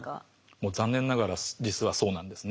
もう残念ながら実はそうなんですね。